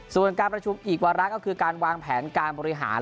ส่วนการประชุมอีกวาระก็คือการวางแผนการบริหาร